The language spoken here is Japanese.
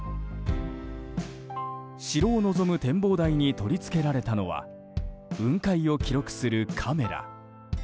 城を臨む展望台に取り付けられたのは雲海を記録するカメラ。